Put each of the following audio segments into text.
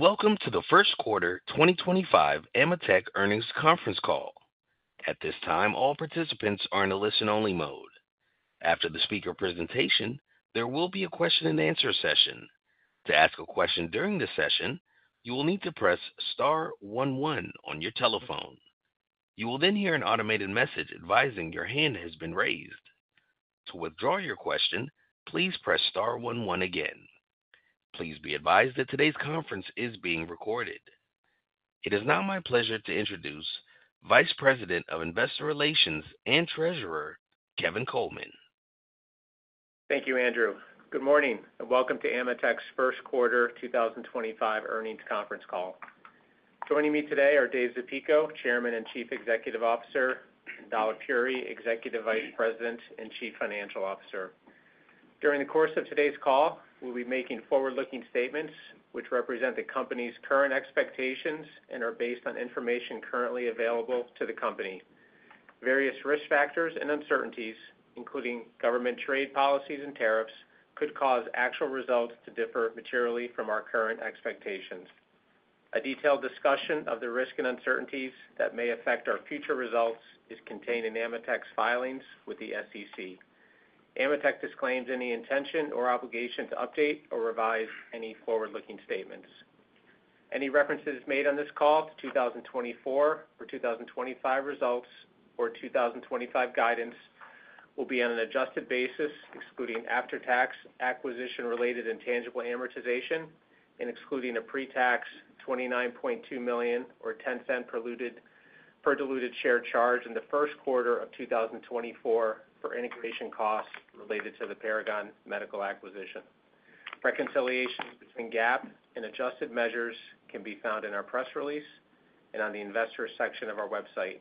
Welcome to the first quarter 2025 AMETEK earnings conference call. At this time, all participants are in a listen-only mode. After the speaker presentation, there will be a question-and-answer session. To ask a question during the session, you will need to press star one one on your telephone. You will then hear an automated message advising your hand has been raised. To withdraw your question, please press star one one again. Please be advised that today's conference is being recorded. It is now my pleasure to introduce Vice President of Investor Relations and Treasurer Kevin Coleman. Thank you, Andrew. Good morning and welcome to AMETEK's first quarter 2025 earnings conference call. Joining me today are Dave Zapico, Chairman and Chief Executive Officer; Dalip Puri, Executive Vice President and Chief Financial Officer. During the course of today's call, we'll be making forward-looking statements which represent the company's current expectations and are based on information currently available to the company. Various risk factors and uncertainties, including government trade policies and tariffs, could cause actual results to differ materially from our current expectations. A detailed discussion of the risk and uncertainties that may affect our future results is contained in AMETEK's filings with the SEC. AMETEK disclaims any intention or obligation to update or revise any forward-looking statements. Any references made on this call to 2024 or 2025 results or 2025 guidance will be on an adjusted basis, excluding after-tax acquisition-related intangible amortization and excluding a pre-tax $29.2 million or $0.10 per diluted share charge in the first quarter of 2024 for integration costs related to the Paragon Medical acquisition. Reconciliations between GAAP and adjusted measures can be found in our press release and on the investor section of our website.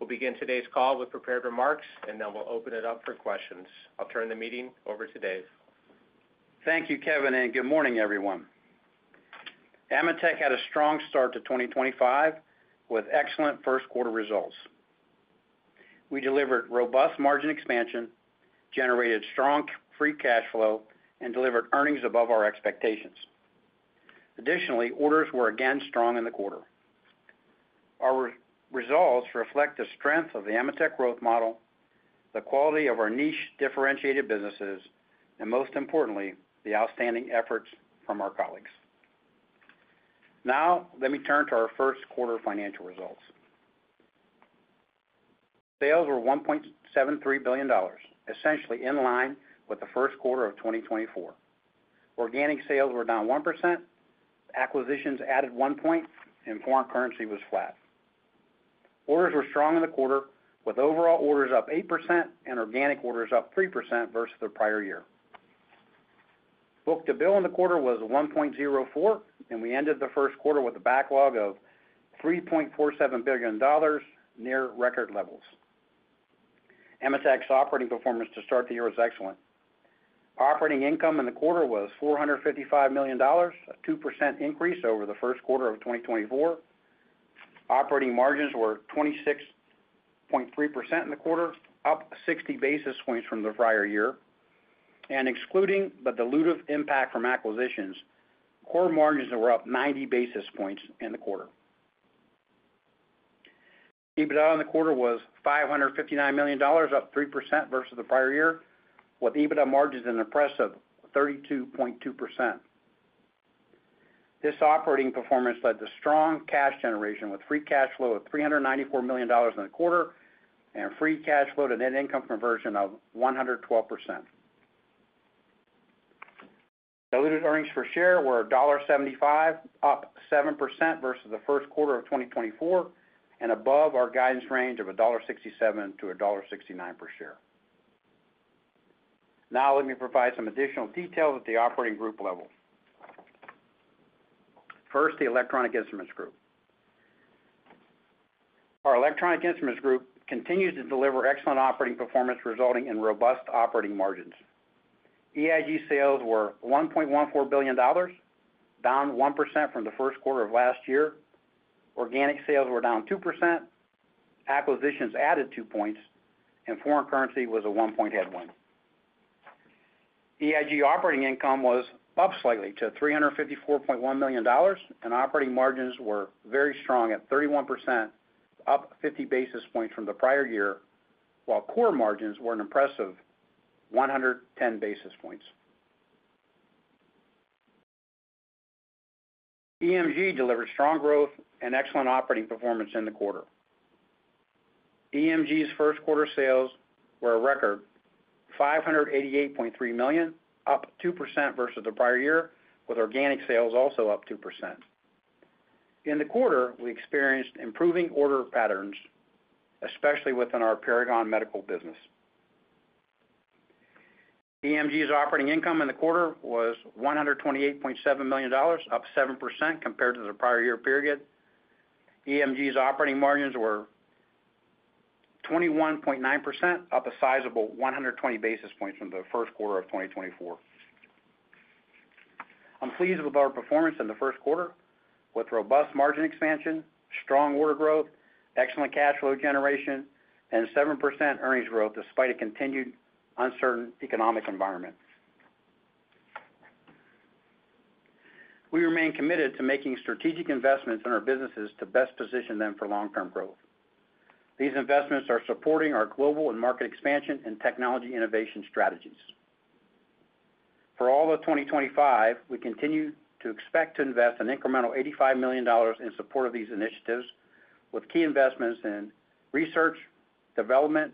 We'll begin today's call with prepared remarks, and then we'll open it up for questions. I'll turn the meeting over to Dave. Thank you, Kevin, and good morning, everyone. AMETEK had a strong start to 2025 with excellent first quarter results. We delivered robust margin expansion, generated strong free cash flow, and delivered earnings above our expectations. Additionally, orders were again strong in the quarter. Our results reflect the strength of the AMETEK growth model, the quality of our niche differentiated businesses, and most importantly, the outstanding efforts from our colleagues. Now, let me turn to our first quarter financial results. Sales were $1.73 billion, essentially in line with the first quarter of 2024. Organic sales were down 1%, acquisitions added 1 point, and foreign currency was flat. Orders were strong in the quarter, with overall orders up 8% and organic orders up 3% versus the prior year. Book-to-bill in the quarter was 1.04, and we ended the first quarter with a backlog of $3.47 billion, near record levels. AMETEK's operating performance to start the year was excellent. Operating income in the quarter was $455 million, a 2% increase over the first quarter of 2024. Operating margins were 26.3% in the quarter, up 60 basis points from the prior year. Excluding the dilutive impact from acquisitions, core margins were up 90 basis points in the quarter. EBITDA in the quarter was $559 million, up 3% versus the prior year, with EBITDA margins in the press of 32.2%. This operating performance led to strong cash generation with free cash flow of $394 million in the quarter and free cash flow to net income conversion of 112%. Diluted earnings per share were $1.75, up 7% versus the first quarter of 2024, and above our guidance range of $1.67-$1.69 per share. Now, let me provide some additional details at the operating group level. First, the Electronic Instruments Group. Our Electronic Instruments Group continues to deliver excellent operating performance, resulting in robust operating margins. EIG sales were $1.14 billion, down 1% from the first quarter of last year. Organic sales were down 2%. Acquisitions added 2 points, and foreign currency was a 1-point headwind. EIG operating income was up slightly to $354.1 million, and operating margins were very strong at 31%, up 50 basis points from the prior year, while core margins were an impressive 110 basis points. EMG delivered strong growth and excellent operating performance in the quarter. EMG's first quarter sales were a record, $588.3 million, up 2% versus the prior year, with organic sales also up 2%. In the quarter, we experienced improving order patterns, especially within our Paragon Medical business. EMG's operating income in the quarter was $128.7 million, up 7% compared to the prior year period. EMG's operating margins were 21.9%, up a sizable 120 basis points from the first quarter of 2024. I'm pleased with our performance in the first quarter, with robust margin expansion, strong order growth, excellent cash flow generation, and 7% earnings growth despite a continued uncertain economic environment. We remain committed to making strategic investments in our businesses to best position them for long-term growth. These investments are supporting our global and market expansion and technology innovation strategies. For all of 2025, we continue to expect to invest an incremental $85 million in support of these initiatives, with key investments in research, development,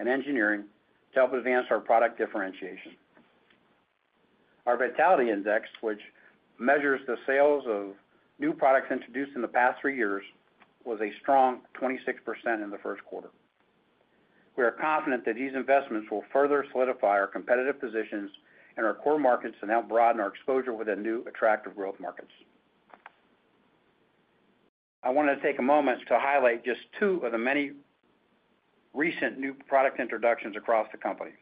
and engineering to help advance our product differentiation. Our vitality index, which measures the sales of new products introduced in the past three years, was a strong 26% in the first quarter. We are confident that these investments will further solidify our competitive positions in our core markets and help broaden our exposure within new attractive growth markets. I want to take a moment to highlight just two of the many recent new product introductions across the company.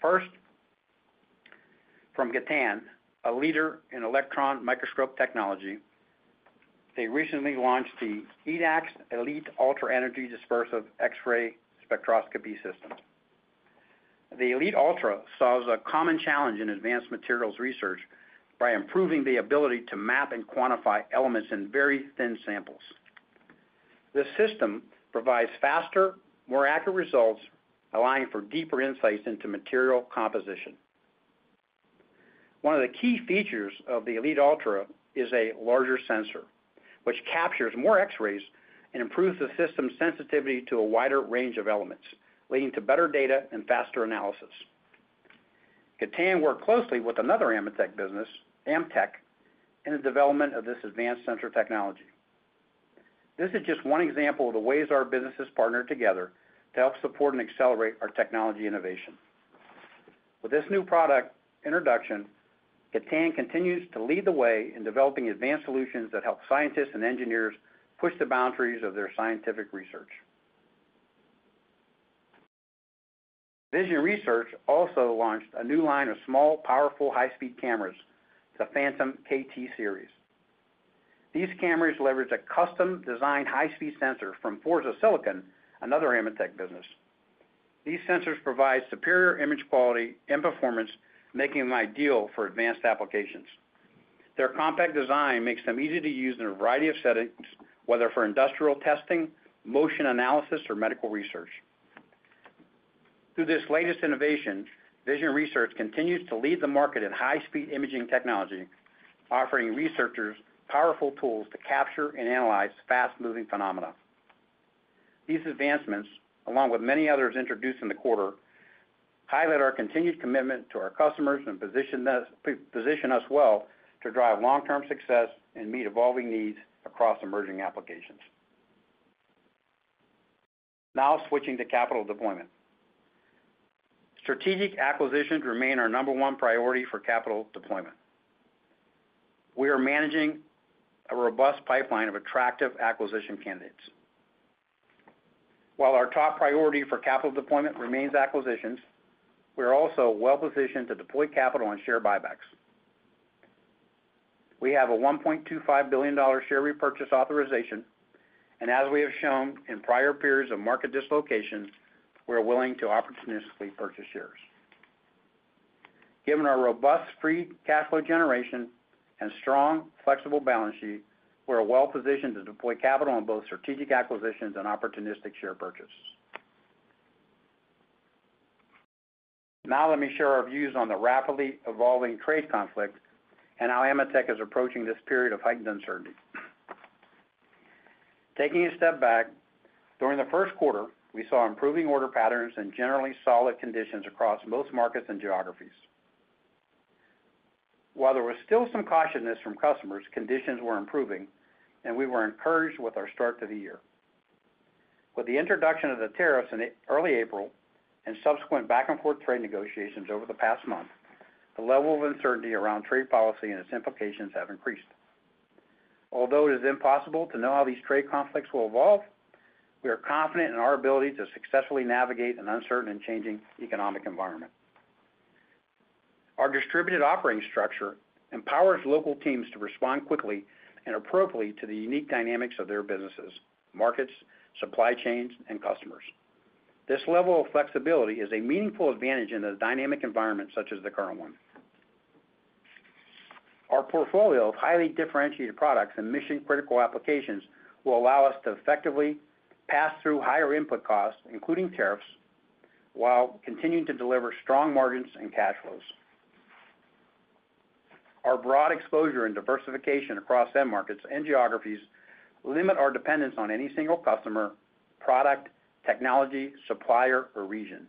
First, from Gatan, a leader in electron microscope technology, they recently launched the EDAX Elite Ultra Energy Dispersive X-ray Spectroscopy System. The Elite Ultra solves a common challenge in advanced materials research by improving the ability to map and quantify elements in very thin samples. This system provides faster, more accurate results, allowing for deeper insights into material composition. One of the key features of the Elite Ultra is a larger sensor, which captures more X-rays and improves the system's sensitivity to a wider range of elements, leading to better data and faster analysis. Gatan worked closely with another AMETEK business, AMETEK, in the development of this advanced sensor technology. This is just one example of the ways our businesses partner together to help support and accelerate our technology innovation. With this new product introduction, Gatan continues to lead the way in developing advanced solutions that help scientists and engineers push the boundaries of their scientific research. Vision Research also launched a new line of small, powerful, high-speed cameras, the Phantom KT-Series. These cameras leverage a custom-designed high-speed sensor from Forza Silicon, another AMETEK business. These sensors provide superior image quality and performance, making them ideal for advanced applications. Their compact design makes them easy to use in a variety of settings, whether for industrial testing, motion analysis, or medical research. Through this latest innovation, Vision Research continues to lead the market in high-speed imaging technology, offering researchers powerful tools to capture and analyze fast-moving phenomena. These advancements, along with many others introduced in the quarter, highlight our continued commitment to our customers and position us well to drive long-term success and meet evolving needs across emerging applications. Now, switching to capital deployment. Strategic acquisitions remain our number one priority for capital deployment. We are managing a robust pipeline of attractive acquisition candidates. While our top priority for capital deployment remains acquisitions, we are also well-positioned to deploy capital on share buybacks. We have a $1.25 billion share repurchase authorization, and as we have shown in prior periods of market dislocation, we are willing to opportunistically purchase shares. Given our robust free cash flow generation and strong, flexible balance sheet, we are well-positioned to deploy capital on both strategic acquisitions and opportunistic share purchases. Now, let me share our views on the rapidly evolving trade conflict and how AMETEK is approaching this period of heightened uncertainty. Taking a step back, during the first quarter, we saw improving order patterns and generally solid conditions across most markets and geographies. While there was still some cautiousness from customers, conditions were improving, and we were encouraged with our start to the year. With the introduction of the tariffs in early April and subsequent back-and-forth trade negotiations over the past month, the level of uncertainty around trade policy and its implications have increased. Although it is impossible to know how these trade conflicts will evolve, we are confident in our ability to successfully navigate an uncertain and changing economic environment. Our distributed operating structure empowers local teams to respond quickly and appropriately to the unique dynamics of their businesses, markets, supply chains, and customers. This level of flexibility is a meaningful advantage in a dynamic environment such as the current one. Our portfolio of highly differentiated products and mission-critical applications will allow us to effectively pass through higher input costs, including tariffs, while continuing to deliver strong margins and cash flows. Our broad exposure and diversification across end markets and geographies limit our dependence on any single customer, product, technology, supplier, or region.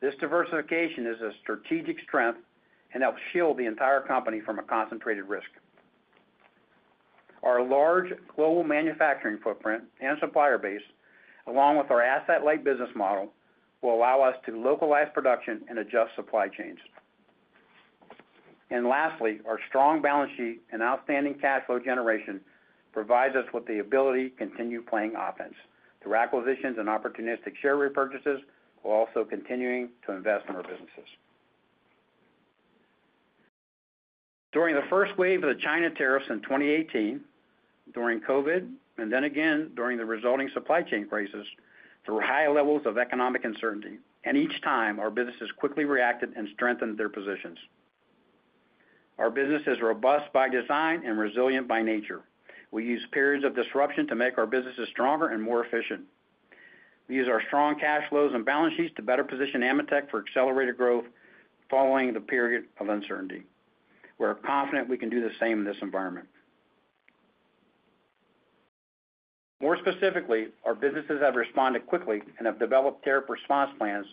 This diversification is a strategic strength and helps shield the entire company from a concentrated risk. Our large global manufacturing footprint and supplier base, along with our asset-light business model, will allow us to localize production and adjust supply chains. Lastly, our strong balance sheet and outstanding cash flow generation provides us with the ability to continue playing offense. Through acquisitions and opportunistic share repurchases, we're also continuing to invest in our businesses. During the first wave of the China tariffs in 2018, during COVID, and then again during the resulting supply chain crisis, there were high levels of economic uncertainty, and each time our businesses quickly reacted and strengthened their positions. Our business is robust by design and resilient by nature. We use periods of disruption to make our businesses stronger and more efficient. We use our strong cash flows and balance sheets to better position AMETEK for accelerated growth following the period of uncertainty. We are confident we can do the same in this environment. More specifically, our businesses have responded quickly and have developed tariff response plans,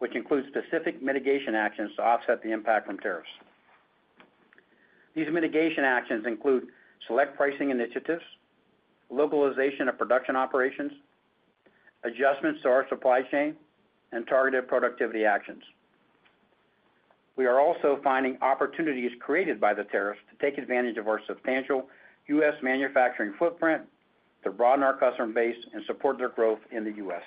which include specific mitigation actions to offset the impact from tariffs. These mitigation actions include select pricing initiatives, localization of production operations, adjustments to our supply chain, and targeted productivity actions. We are also finding opportunities created by the tariffs to take advantage of our substantial U.S. manufacturing footprint to broaden our customer base and support their growth in the U.S.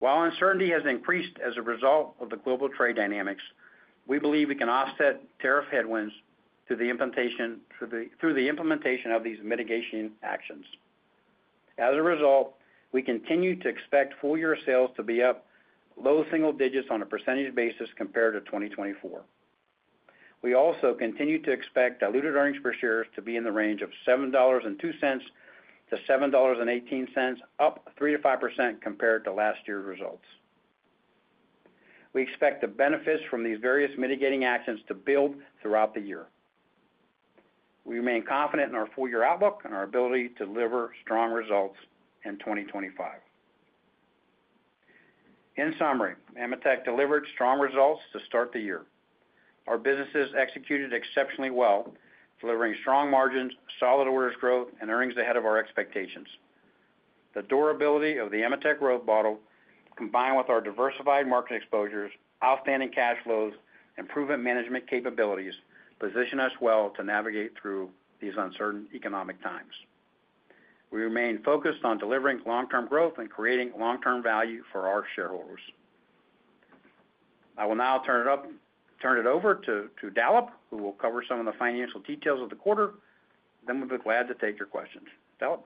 While uncertainty has increased as a result of the global trade dynamics, we believe we can offset tariff headwinds through the implementation of these mitigation actions. As a result, we continue to expect full-year sales to be up low-single-digits on a percentage basis compared to 2024. We also continue to expect diluted earnings per share to be in the range of $7.02-$7.18, up 3%-5% compared to last year's results. We expect the benefits from these various mitigating actions to build throughout the year. We remain confident in our full-year outlook and our ability to deliver strong results in 2025. In summary, AMETEK delivered strong results to start the year. Our businesses executed exceptionally well, delivering strong margins, solid orders growth, and earnings ahead of our expectations. The durability of the AMETEK growth model, combined with our diversified market exposures, outstanding cash flows, and improvement management capabilities, position us well to navigate through these uncertain economic times. We remain focused on delivering long-term growth and creating long-term value for our shareholders. I will now turn it over to Dalip, who will cover some of the financial details of the quarter. We will be glad to take your questions. Dalip.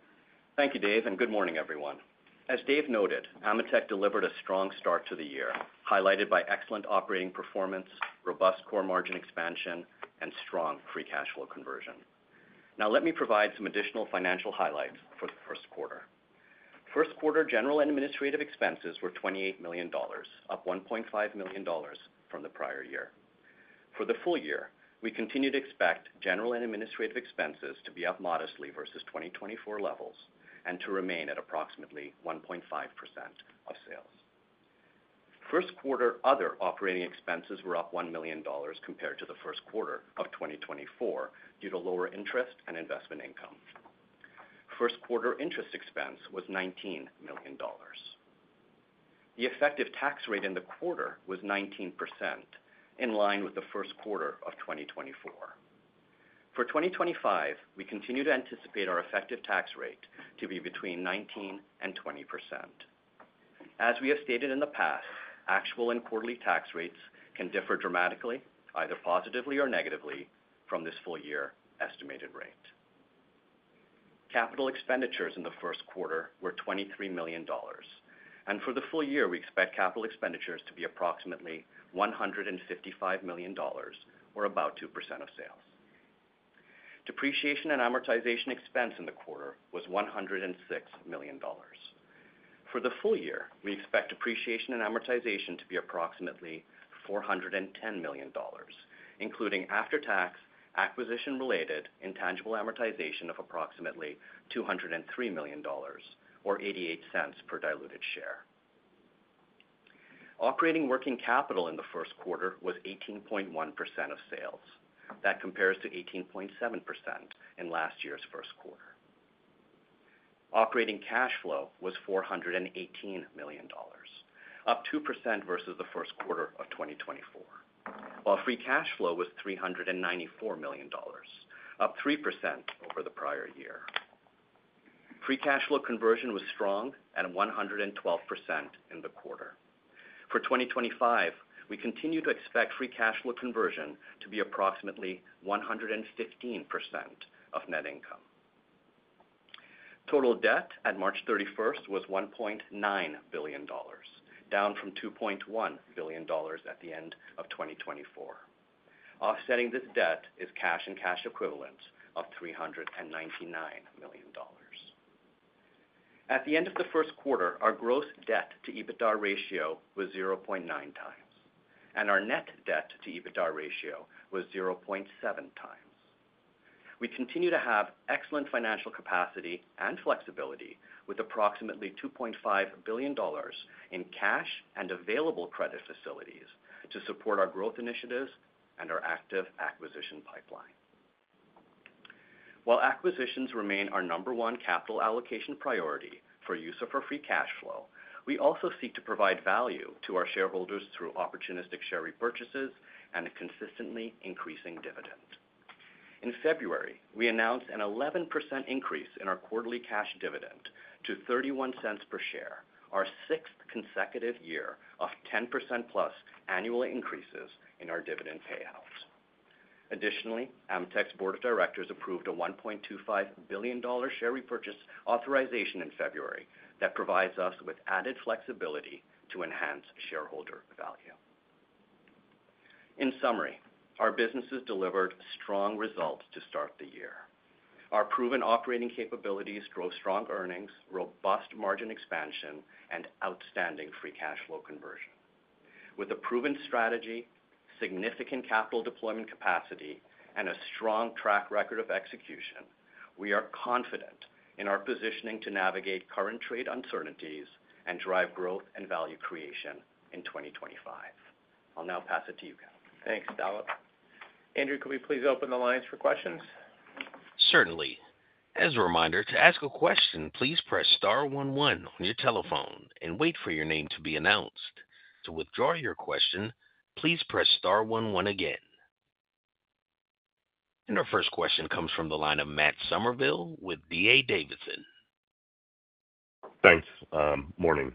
Thank you, Dave, and good morning, everyone. As Dave noted, AMETEK delivered a strong start to the year, highlighted by excellent operating performance, robust core margin expansion, and strong free cash flow conversion. Now, let me provide some additional financial highlights for the first quarter. First quarter general and administrative expenses were $28 million, up $1.5 million from the prior year. For the full year, we continue to expect general and administrative expenses to be up modestly versus 2024 levels and to remain at approximately 1.5% of sales. First quarter other operating expenses were up $1 million compared to the first quarter of 2024 due to lower interest and investment income. First quarter interest expense was $19 million. The effective tax rate in the quarter was 19%, in line with the first quarter of 2024. For 2025, we continue to anticipate our effective tax rate to be between 19% and 20%. As we have stated in the past, actual and quarterly tax rates can differ dramatically, either positively or negatively, from this full-year estimated rate. Capital expenditures in the first quarter were $23 million, and for the full year, we expect capital expenditures to be approximately $155 million, or about 2% of sales. Depreciation and amortization expense in the quarter was $106 million. For the full year, we expect depreciation and amortization to be approximately $410 million, including after-tax, acquisition-related, intangible amortization of approximately $203 million, or $0.88 per diluted share. Operating working capital in the first quarter was 18.1% of sales. That compares to 18.7% in last year's first quarter. Operating cash flow was $418 million, up 2% versus the first quarter of 2024, while free cash flow was $394 million, up 3% over the prior year. Free cash flow conversion was strong at 112% in the quarter. For 2025, we continue to expect free cash flow conversion to be approximately 115% of net income. Total debt at March 31 was $1.9 billion, down from $2.1 billion at the end of 2024. Offsetting this debt is cash and cash equivalents of $399 million. At the end of the first quarter, our gross debt-to-EBITDA ratio was 0.9 times, and our net debt-to-EBITDA ratio was 0.7 times. We continue to have excellent financial capacity and flexibility with approximately $2.5 billion in cash and available credit facilities to support our growth initiatives and our active acquisition pipeline. While acquisitions remain our number one capital allocation priority for use of our free cash flow, we also seek to provide value to our shareholders through opportunistic share repurchases and a consistently increasing dividend. In February, we announced an 11% increase in our quarterly cash dividend to $0.31 per share, our sixth consecutive year of 10% plus annual increases in our dividend payouts. Additionally, AMETEK's board of directors approved a $1.25 billion share repurchase authorization in February that provides us with added flexibility to enhance shareholder value. In summary, our businesses delivered strong results to start the year. Our proven operating capabilities drove strong earnings, robust margin expansion, and outstanding free cash flow conversion. With a proven strategy, significant capital deployment capacity, and a strong track record of execution, we are confident in our positioning to navigate current trade uncertainties and drive growth and value creation in 2025. I'll now pass it to you, Kevin. Thanks, Dalip. Andrew, could we please open the lines for questions? Certainly. As a reminder, to ask a question, please press star one one on your telephone and wait for your name to be announced. To withdraw your question, please press star one one again. Our first question comes from the line of Matt Summerville with D.A. Davidson. Thanks. Morning.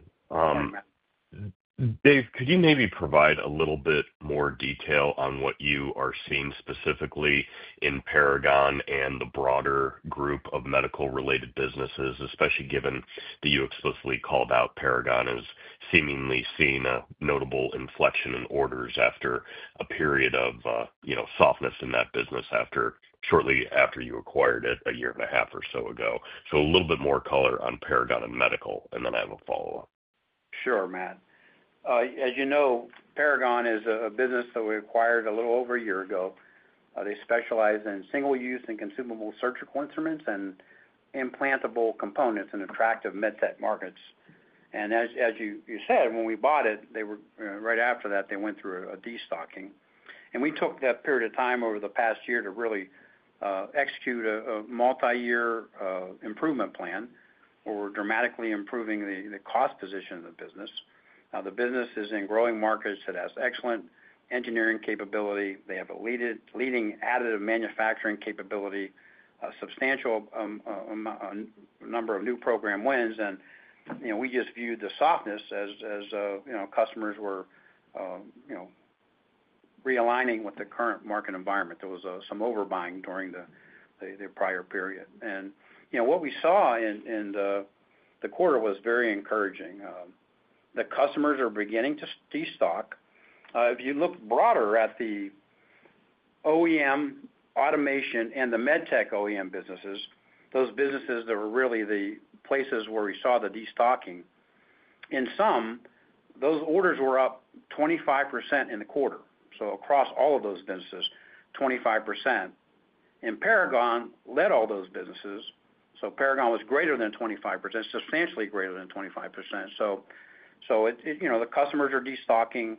Dave, could you maybe provide a little bit more detail on what you are seeing specifically in Paragon and the broader group of medical-related businesses, especially given that you explicitly called out Paragon as seemingly seeing a notable inflection in orders after a period of softness in that business shortly after you acquired it a year and a half or so ago? A little bit more color on Paragon and medical, and then I have a follow-up. Sure, Matt. As you know, Paragon is a business that we acquired a little over a year ago. They specialize in single-use and consumable surgical instruments and implantable components in attractive MedTech markets. As you said, when we bought it, right after that, they went through a destocking. We took that period of time over the past year to really execute a multi-year improvement plan, for dramatically improving the cost position of the business. Now, the business is in growing markets. It has excellent engineering capability. They have a leading additive manufacturing capability, a substantial number of new program wins, and we just viewed the softness as customers were realigning with the current market environment. There was some overbuying during the prior period. What we saw in the quarter was very encouraging. The customers are beginning to destock. If you look broader at the OEM automation and the MedTech OEM businesses, those businesses that were really the places where we saw the destocking, in some, those orders were up 25% in the quarter. Across all of those businesses, 25%. Paragon led all those businesses. Paragon was greater than 25%, substantially greater than 25%. The customers are destocking.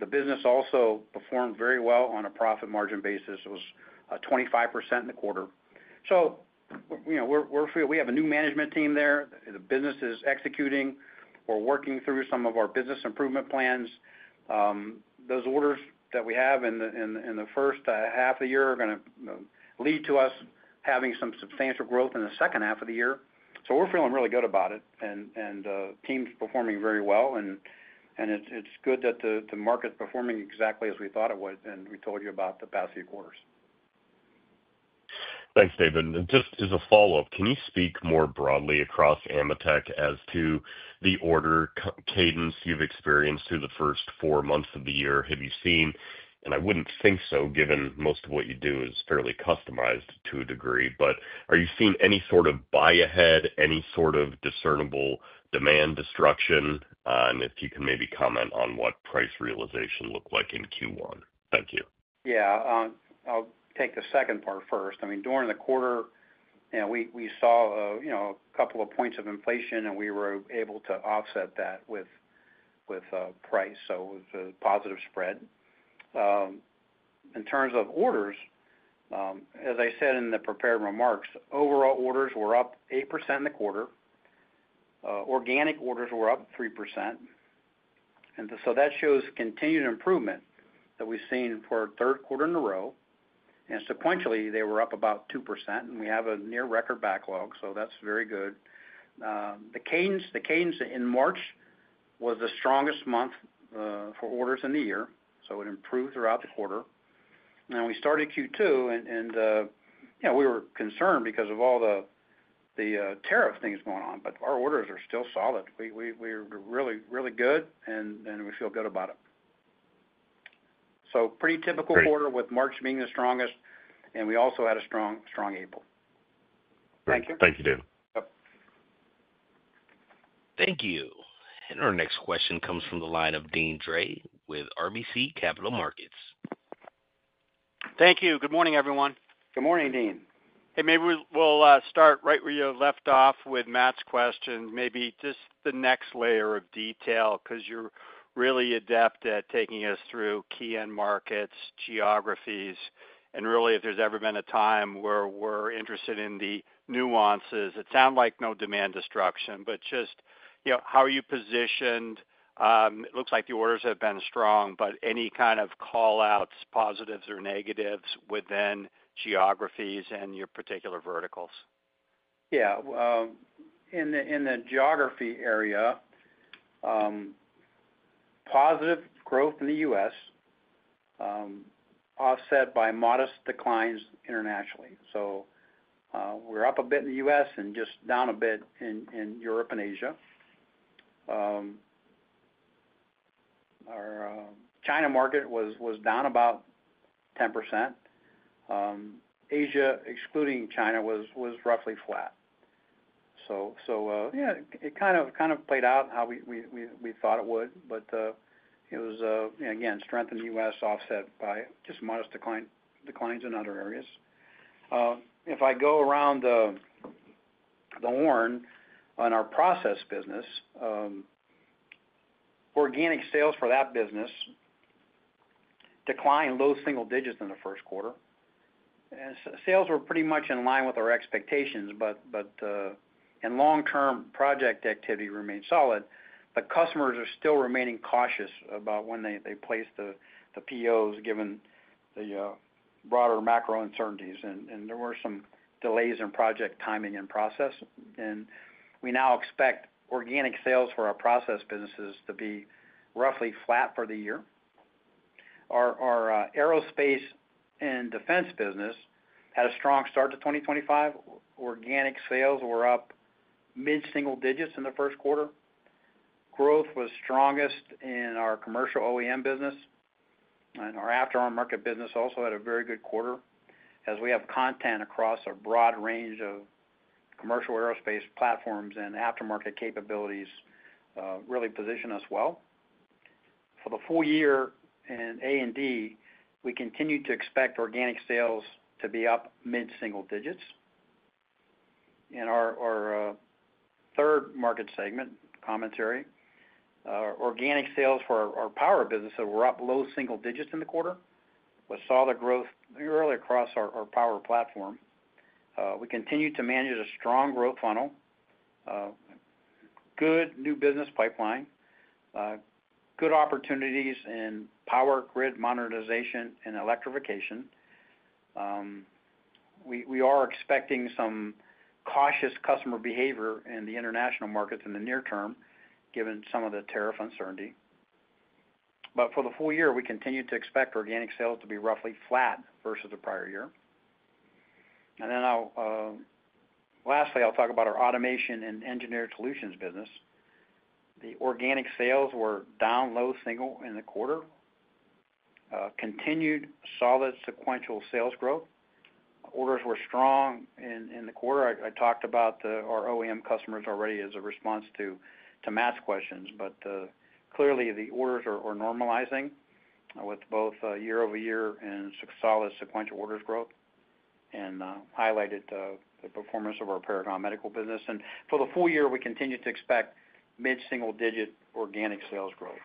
The business also performed very well on a profit margin basis. It was 25% in the quarter. We have a new management team there. The business is executing. We're working through some of our business improvement plans. Those orders that we have in the first half of the year are going to lead to us having some substantial growth in the second half of the year. We're feeling really good about it, and the team's performing very well. It is good that the market is performing exactly as we thought it would, and we told you about the past few quarters. Thanks, Dave. Just as a follow-up, can you speak more broadly across AMETEK as to the order cadence you have experienced through the first four months of the year? Have you seen—I would not think so given most of what you do is fairly customized to a degree—are you seeing any sort of buy ahead, any sort of discernible demand destruction? If you can maybe comment on what price realization looked like in Q1. Thank you. Yeah. I will take the second part first. I mean, during the quarter, we saw a couple of points of inflation, and we were able to offset that with price. It was a positive spread. In terms of orders, as I said in the prepared remarks, overall orders were up 8% in the quarter. Organic orders were up 3%. That shows continued improvement that we've seen for a third quarter in a row. Sequentially, they were up about 2%, and we have a near-record backlog. That's very good. The cadence in March was the strongest month for orders in the year. It improved throughout the quarter. We started Q2, and we were concerned because of all the tariff things going on, but our orders are still solid. We were really good, and we feel good about it. Pretty typical quarter with March being the strongest, and we also had a strong April. Thank you. Thank you, Dave. Thank you. Our next question comes from the line of Deane Dray with RBC Capital Markets. Thank you. Good morning, everyone. Good morning, Deane. Hey, maybe we'll start right where you left off with Matt's question, maybe just the next layer of detail because you're really adept at taking us through key end markets, geographies, and really if there's ever been a time where we're interested in the nuances. It sounds like no demand destruction, but just how are you positioned? It looks like the orders have been strong, but any kind of callouts, positives or negatives within geographies and your particular verticals? Yeah. In the geography area, positive growth in the U.S., offset by modest declines internationally. So we're up a bit in the U.S. and just down a bit in Europe and Asia. Our China market was down about 10%. Asia, excluding China, was roughly flat. It kind of played out how we thought it would, but it was, again, strength in the U.S. offset by just modest declines in other areas. If I go around the horn on our process business, organic sales for that business declined low-single-digits in the first quarter. Sales were pretty much in line with our expectations, but in long-term, project activity remained solid. The customers are still remaining cautious about when they place the POs given the broader macro uncertainties, and there were some delays in project timing and process. We now expect organic sales for our process businesses to be roughly flat for the year. Our Aerospace and Defense business had a strong start to 2025. Organic sales were up mid-single-digits in the first quarter. Growth was strongest in our commercial OEM business. Our after-market business also had a very good quarter as we have content across a broad range of commercial aerospace platforms and after-market capabilities really position us well. For the full year in A&D, we continue to expect organic sales to be up mid-single-digits. In our third market segment, commentary, organic sales for our power businesses were up low-single-digits in the quarter. We saw the growth early across our power platform. We continue to manage a strong growth funnel, good new business pipeline, good opportunities in power grid modernization and electrification. We are expecting some cautious customer behavior in the international markets in the near term given some of the tariff uncertainty. For the full year, we continue to expect organic sales to be roughly flat versus the prior year. Lastly, I'll talk about our Automation and Engineered Solutions business. The organic sales were down low-single in the quarter, continued solid sequential sales growth. Orders were strong in the quarter. I talked about our OEM customers already as a response to Matt's questions, but clearly the orders are normalizing with both year-over-year and solid sequential orders growth and highlighted the performance of our Paragon Medical business. For the full year, we continue to expect mid-single-digit organic sales growth.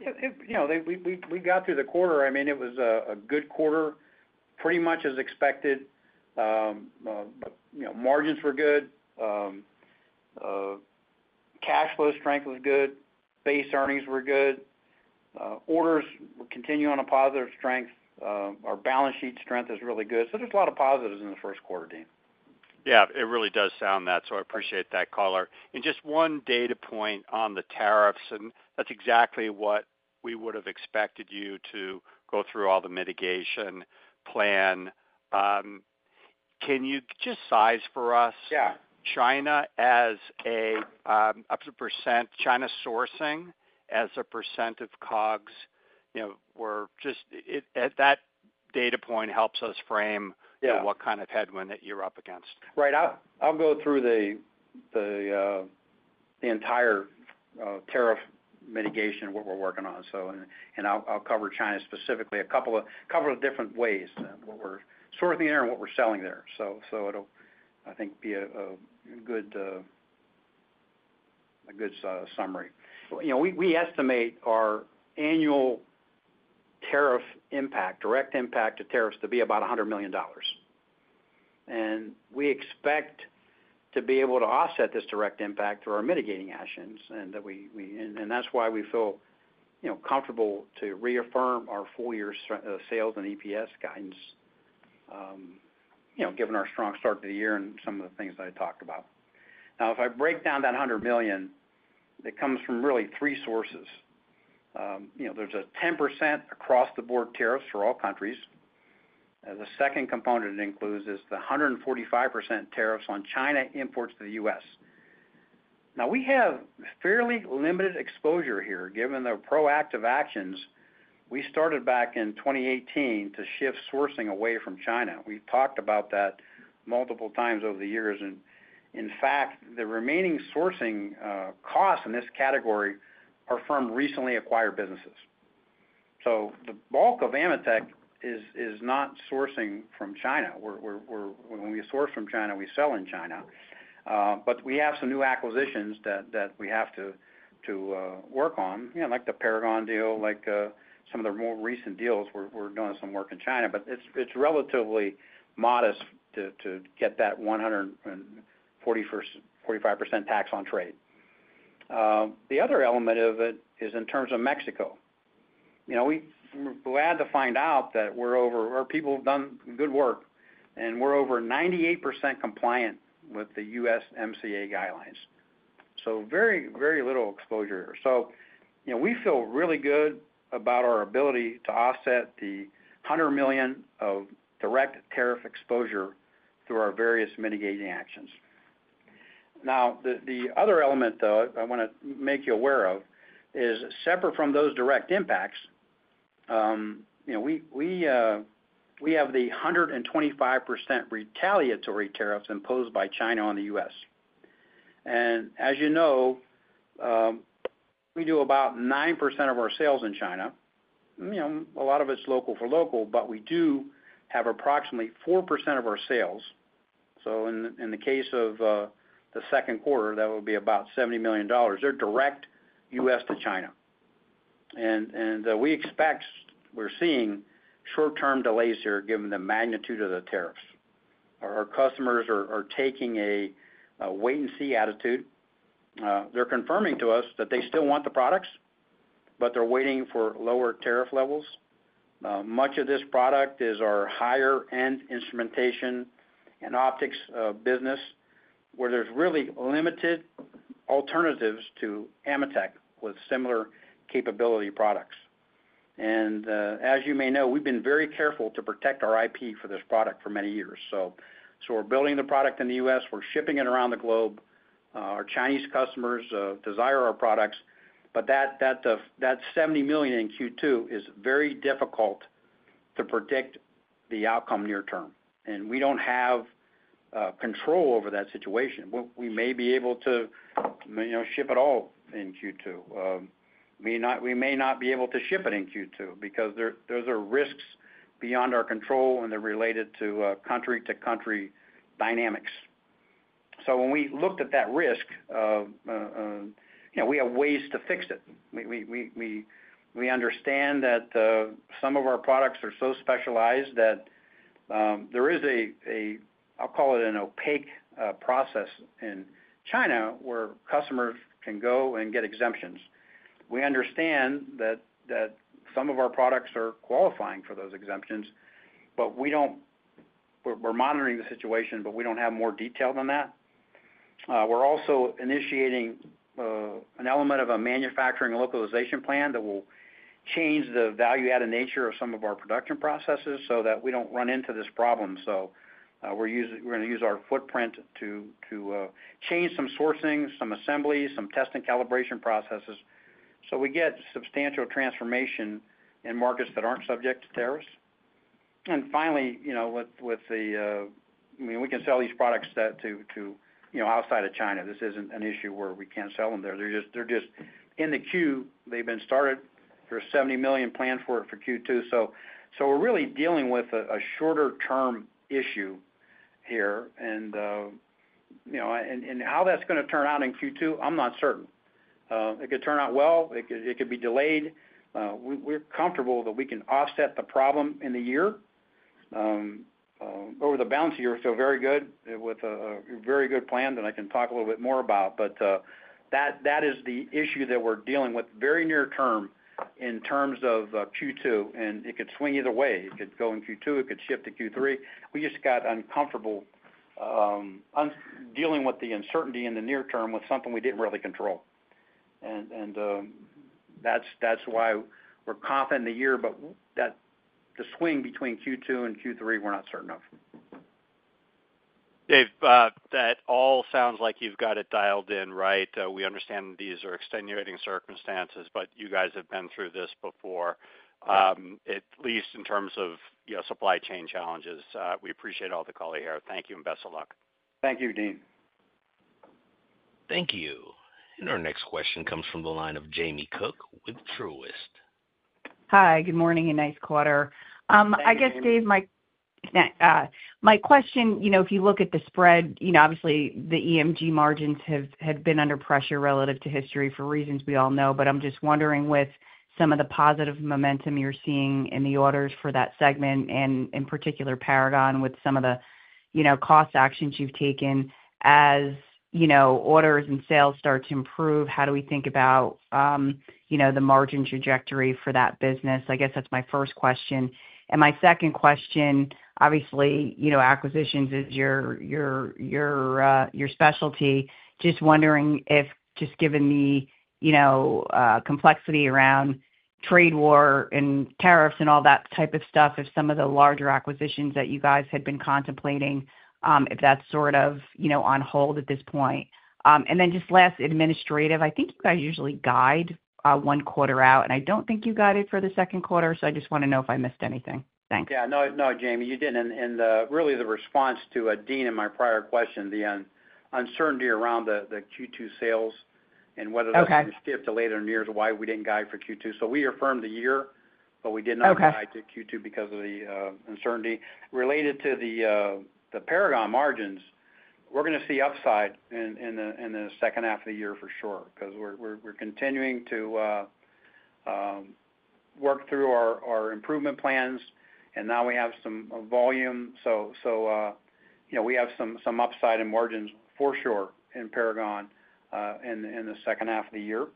We got through the quarter. I mean, it was a good quarter, pretty much as expected. Margins were good. Cash flow strength was good. Base earnings were good. Orders continue on a positive strength. Our balance sheet strength is really good. There is a lot of positives in the first quarter, Deane. Yeah. It really does sound that. I appreciate that color. Just one data point on the tariffs, and that's exactly what we would have expected you to go through, all the mitigation plan. Can you just size for us China as a percent, China sourcing as a percent of COGS? Just that data point helps us frame what kind of headwind that you're up against. Right. I'll go through the entire tariff mitigation, what we're working on. I'll cover China specifically a couple of different ways, what we're sourcing there and what we're selling there. It will, I think, be a good summary. We estimate our annual tariff impact, direct impact to tariffs to be about $100 million. We expect to be able to offset this direct impact through our mitigating actions. That is why we feel comfortable to reaffirm our full year sales and EPS guidance, given our strong start to the year and some of the things I talked about. Now, if I break down that $100 million, it comes from really three sources. There is a 10% across-the-board tariffs for all countries. The second component it includes is the 145% tariffs on China imports to the U.S. Now, we have fairly limited exposure here. Given the proactive actions, we started back in 2018 to shift sourcing away from China. We have talked about that multiple times over the years. In fact, the remaining sourcing costs in this category are from recently acquired businesses. The bulk of AMETEK is not sourcing from China. When we source from China, we sell in China. We have some new acquisitions that we have to work on, like the Paragon deal, like some of the more recent deals. We're doing some work in China, but it's relatively modest to get that 145% tax on trade. The other element of it is in terms of Mexico. We're glad to find out that our people have done good work, and we're over 98% compliant with the USMCA guidelines. Very little exposure here. We feel really good about our ability to offset the $100 million of direct tariff exposure through our various mitigating actions. The other element I want to make you aware of is separate from those direct impacts, we have the 125% retaliatory tariffs imposed by China on the U.S. As you know, we do about 9% of our sales in China. A lot of it's local for local, but we do have approximately 4% of our sales. In the case of the second quarter, that would be about $70 million. They're direct U.S. to China. We expect we're seeing short-term delays here given the magnitude of the tariffs. Our customers are taking a wait-and-see attitude. They're confirming to us that they still want the products, but they're waiting for lower tariff levels. Much of this product is our higher-end instrumentation and optics business where there's really limited alternatives to AMETEK with similar capability products. As you may know, we've been very careful to protect our IP for this product for many years. We're building the product in the U.S. We're shipping it around the globe. Our Chinese customers desire our products. That $70 million in Q2 is very difficult to predict the outcome near term. We do not have control over that situation. We may be able to ship it all in Q2. We may not be able to ship it in Q2 because there are risks beyond our control, and they are related to country-to-country dynamics. When we looked at that risk, we have ways to fix it. We understand that some of our products are so specialized that there is a, I'll call it an opaque process in China where customers can go and get exemptions. We understand that some of our products are qualifying for those exemptions, but we are monitoring the situation, but we do not have more detail than that. We are also initiating an element of a manufacturing localization plan that will change the value-added nature of some of our production processes so that we do not run into this problem. We're going to use our footprint to change some sourcing, some assemblies, some test and calibration processes. We get substantial transformation in markets that aren't subject to tariffs. Finally, I mean, we can sell these products to outside of China. This isn't an issue where we can't sell them there. They're just in the queue. They've been started. There are $70 million planned for it for Q2. We're really dealing with a shorter-term issue here. How that's going to turn out in Q2, I'm not certain. It could turn out well. It could be delayed. We're comfortable that we can offset the problem in the year. Over the balance of the year, we feel very good with a very good plan that I can talk a little bit more about. That is the issue that we're dealing with very near term in terms of Q2. It could swing either way. It could go in Q2. It could shift to Q3. We just got uncomfortable dealing with the uncertainty in the near term with something we didn't really control. That's why we're confident in the year, but the swing between Q2 and Q3, we're not certain of. Dave, that all sounds like you've got it dialed in, right? We understand these are extenuating circumstances, but you guys have been through this before, at least in terms of supply chain challenges. We appreciate all the call here. Thank you and best of luck. Thank you, Deane. Thank you. Our next question comes from the line of Jamie Cook with Truist. Hi. Good morning and nice quarter. I guess, Dave, my question, if you look at the spread, obviously the EMG margins have been under pressure relative to history for reasons we all know. I am just wondering with some of the positive momentum you are seeing in the orders for that segment and in particular Paragon with some of the cost actions you have taken, as orders and sales start to improve, how do we think about the margin trajectory for that business? I guess that is my first question. My second question, obviously, acquisitions is your specialty. Just wondering if, just given the complexity around trade war and tariffs and all that type of stuff, if some of the larger acquisitions that you guys had been contemplating, if that is sort of on hold at this point. Just last administrative, I think you guys usually guide one quarter out, and I do not think you guided for the second quarter, so I just want to know if I missed anything. Thanks. Yeah. No, Jamie, you did not. Really the response to Deane in my prior question, the uncertainty around the Q2 sales and whether that is going to shift to later in the year is why we did not guide for Q2. We affirmed the year, but we did not guide to Q2 because of the uncertainty. Related to the Paragon margins, we are going to see upside in the second half of the year for sure because we are continuing to work through our improvement plans, and now we have some volume. We have some upside in margins for sure in Paragon in the second half of the year.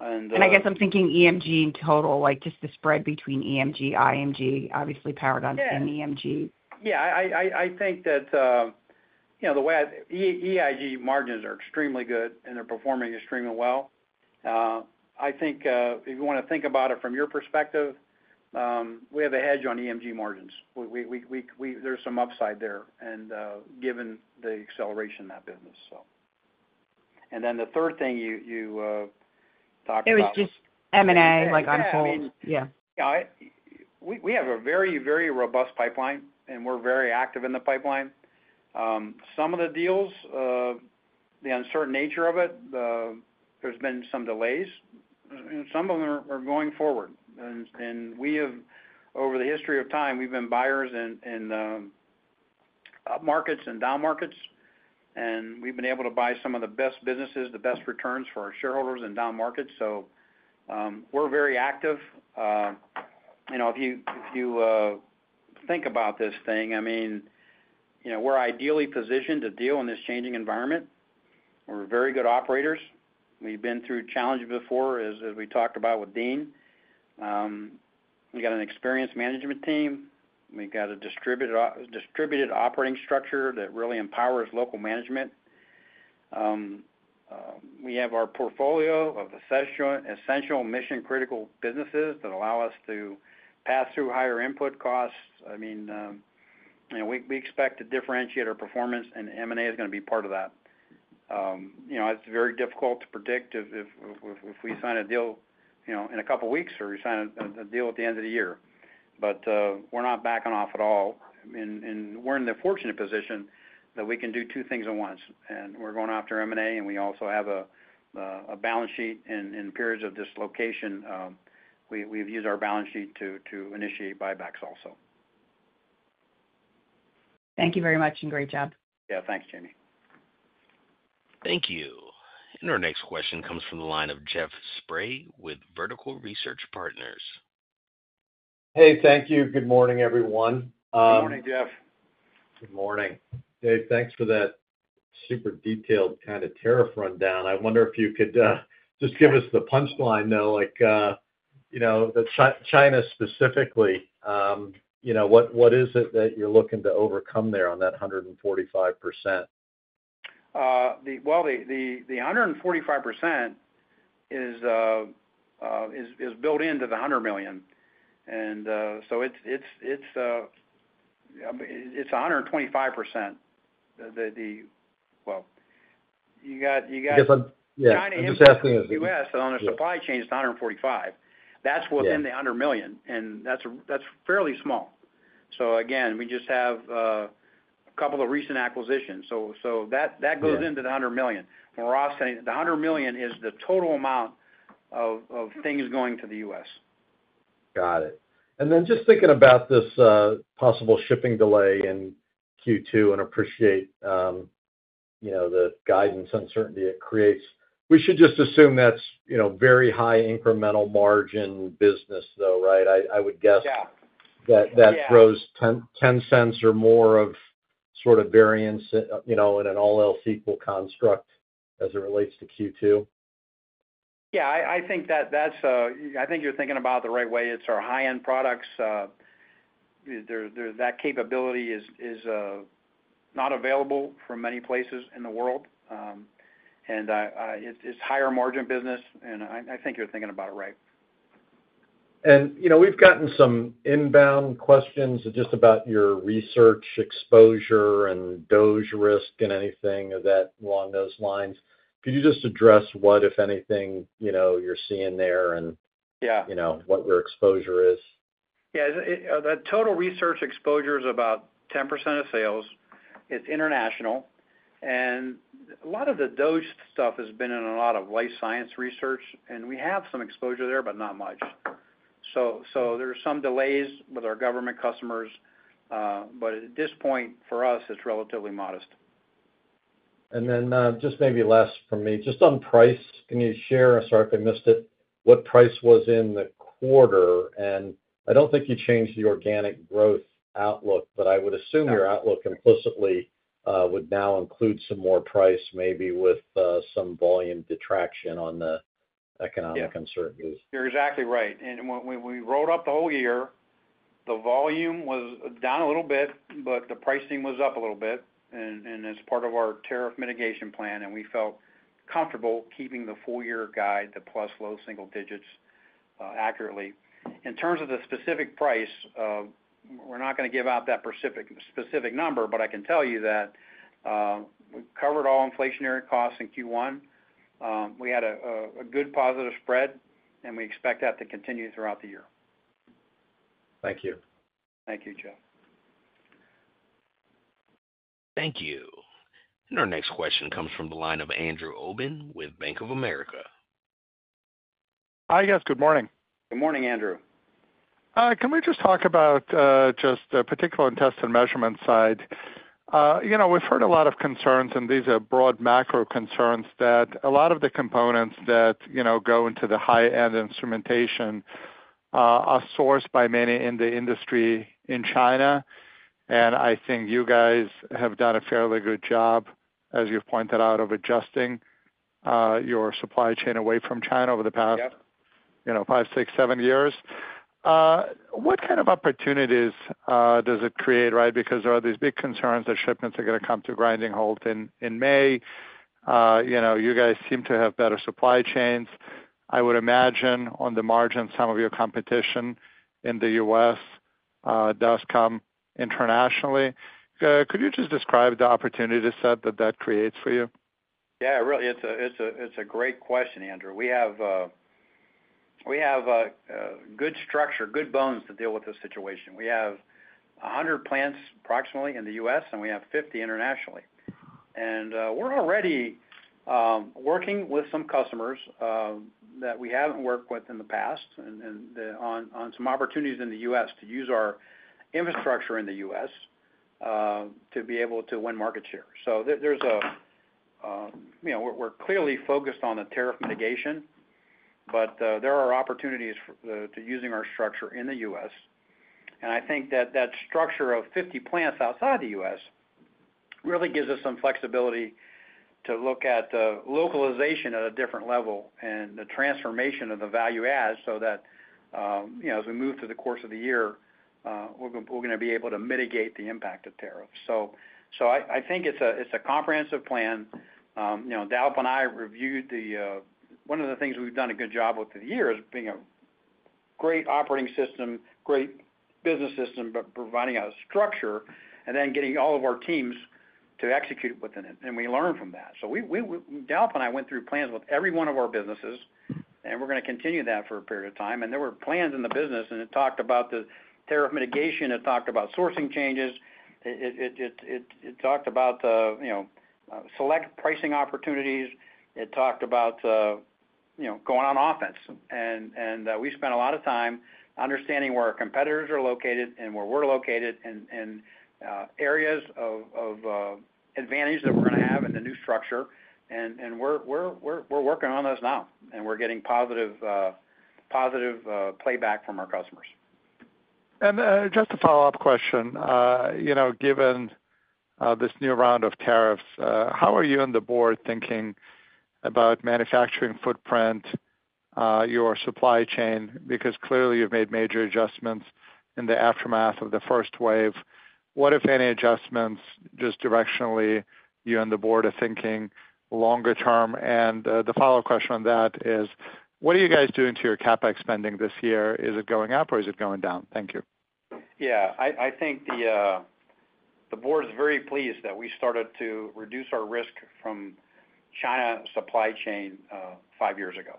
I guess I'm thinking EMG in total, just the spread between EMG, IMG, obviously Paragon and EMG. Yeah. I think that the way EIG margins are extremely good and they're performing extremely well. I think if you want to think about it from your perspective, we have a hedge on EMG margins. There's some upside there given the acceleration in that business. The third thing you talked about, it was just M&A on hold. Yeah. We have a very, very robust pipeline, and we're very active in the pipeline. Some of the deals, the uncertain nature of it, there's been some delays. Some of them are going forward. Over the history of time, we've been buyers in up markets and down markets, and we've been able to buy some of the best businesses, the best returns for our shareholders in down markets. We're very active. If you think about this thing, I mean, we're ideally positioned to deal in this changing environment. We're very good operators. We've been through challenges before as we talked about with Deane. We've got an experienced management team. We've got a distributed operating structure that really empowers local management. We have our portfolio of essential mission-critical businesses that allow us to pass through higher input costs. I mean, we expect to differentiate our performance, and M&A is going to be part of that. It's very difficult to predict if we sign a deal in a couple of weeks or sign a deal at the end of the year. We're not backing off at all. We're in the fortunate position that we can do two things at once. We're going after M&A, and we also have a balance sheet in periods of dislocation. We've used our balance sheet to initiate buybacks also. Thank you very much and great job. Yeah. Thanks, Jamie. Thank you. Our next question comes from the line of Jeff Sprague with Vertical Research Partners. Hey, thank you. Good morning, everyone. Good morning, Jeff. Good morning. Dave, thanks for that super detailed kind of tariff rundown. I wonder if you could just give us the punchline, though, the China specifically. What is it that you're looking to overcome there on that 145%? The 145% is built into the $100 million. It's 125%. You got China and the U.S., and on the supply chain, it's 145%. That's within the $100 million, and that's fairly small. We just have a couple of recent acquisitions. That goes into the $100 million. The $100 million is the total amount of things going to the U.S. Got it. Just thinking about this possible shipping delay in Q2, and I appreciate the guidance uncertainty it creates, we should just assume that's very high incremental margin business, right? I would guess that grows $0.10 or more of sort of variance in an all else equal construct as it relates to Q2. Yeah. I think that that's a, I think you're thinking about it the right way. It's our high-end products. That capability is not available for many places in the world. It's higher margin business, and I think you're thinking about it right. We've gotten some inbound questions just about your research exposure and DOGE risk and anything along those lines. Could you just address what, if anything, you're seeing there and what your exposure is? Yeah. The total research exposure is about 10% of sales. It's international. A lot of the DOGE stuff has been in a lot of life science research, and we have some exposure there, but not much. There are some delays with our government customers. At this point, for us, it is relatively modest. Maybe last from me, just on price, can you share—sorry if I missed it—what price was in the quarter? I do not think you changed the organic growth outlook, but I would assume your outlook implicitly would now include some more price, maybe with some volume detraction on the economic uncertainties. You are exactly right. When we rolled up the whole year, the volume was down a little bit, but the pricing was up a little bit. It is part of our tariff mitigation plan, and we felt comfortable keeping the full-year guide, the plus low-single-digits accurately. In terms of the specific price, we're not going to give out that specific number, but I can tell you that we covered all inflationary costs in Q1. We had a good positive spread, and we expect that to continue throughout the year. Thank you. Thank you, Jeff. Thank you. Our next question comes from the line of Andrew Obin with Bank of America. Hi, yes. Good morning. Good morning, Andrew. Can we just talk about just the particular test and measurement side? We've heard a lot of concerns, and these are broad macro concerns that a lot of the components that go into the high-end instrumentation are sourced by many in the industry in China. I think you guys have done a fairly good job, as you've pointed out, of adjusting your supply chain away from China over the past five, six, seven years. What kind of opportunities does it create, right? Because there are these big concerns that shipments are going to come to a grinding halt in May. You guys seem to have better supply chains. I would imagine on the margin, some of your competition in the U.S. does come internationally. Could you just describe the opportunity set that that creates for you? Yeah. Really, it's a great question, Andrew. We have good structure, good bones to deal with this situation. We have 100 plants approximately in the U.S., and we have 50 internationally. We are already working with some customers that we haven't worked with in the past on some opportunities in the U.S. to use our infrastructure in the U.S. to be able to win market share. We are clearly focused on the tariff mitigation, but there are opportunities to using our structure in the U.S. I think that structure of 50 plants outside the U.S. really gives us some flexibility to look at localization at a different level and the transformation of the value add so that as we move through the course of the year, we're going to be able to mitigate the impact of tariffs. I think it's a comprehensive plan. Dalip and I reviewed the—one of the things we've done a good job with this year is being a great operating system, great business system, but providing a structure and then getting all of our teams to execute it within it. We learned from that. Dalip and I went through plans with every one of our businesses, and we're going to continue that for a period of time. There were plans in the business, and it talked about the tariff mitigation. It talked about sourcing changes. It talked about select pricing opportunities. It talked about going on offense. We spent a lot of time understanding where our competitors are located and where we are located and areas of advantage that we are going to have in the new structure. We are working on those now, and we are getting positive playback from our customers. Just a follow-up question. Given this new round of tariffs, how are you and the board thinking about manufacturing footprint, your supply chain? Because clearly, you have made major adjustments in the aftermath of the first wave. What, if any, adjustments, just directionally, you and the board are thinking longer term? The follow-up question on that is, what are you guys doing to your CapEx spending this year? Is it going up or is it going down? Thank you. Yeah. I think the board is very pleased that we started to reduce our risk from China supply chain five years ago.